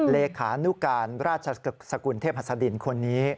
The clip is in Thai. เลขานุการราชสกุลเทพหัสดินคนนี้